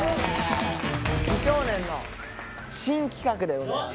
美少年の新企画でございます。